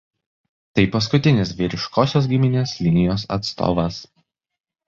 Tai paskutinis vyriškosios giminės linijos atstovas.